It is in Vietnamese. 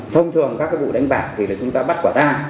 thông thường các vụ đánh bạc chúng ta bắt quả ta